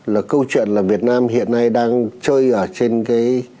là câu chuyện là việt nam hiện nay đang chơi ở trên cái